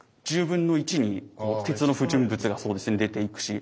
１０分の１に鉄の不純物が出ていくし